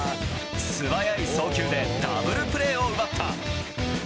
素早い送球でダブルプレーを奪った。